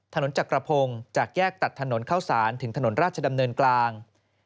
จักรพงศ์จากแยกตัดถนนเข้าสารถึงถนนราชดำเนินกลาง